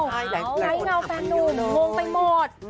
หลายเงาแฟนหนุ่มมองไปหมด